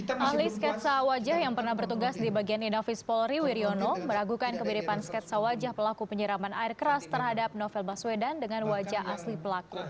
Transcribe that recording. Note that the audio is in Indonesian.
ahli sketsa wajah yang pernah bertugas di bagian inafis polri wirjono meragukan kemiripan sketsa wajah pelaku penyiraman air keras terhadap novel baswedan dengan wajah asli pelaku